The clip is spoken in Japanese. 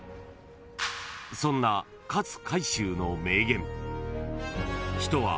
［そんな勝海舟の名言］